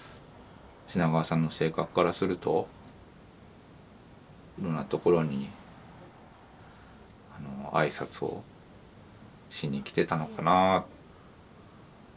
品川さんの性格からするといろんなところに挨拶をしに来てたのかな。